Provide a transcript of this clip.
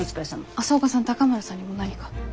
朝岡さん高村さんにも何か？